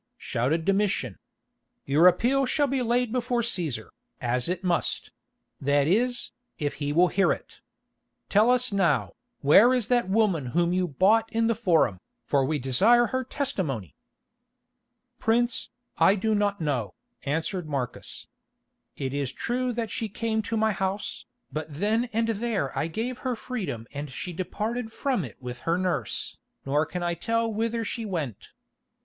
shouted Domitian. "Your appeal shall be laid before Cæsar, as it must—that is, if he will hear it. Tell us now, where is that woman whom you bought in the Forum, for we desire her testimony?" "Prince, I do not know," answered Marcus. "It is true that she came to my house, but then and there I gave her freedom and she departed from it with her nurse, nor can I tell whither she went."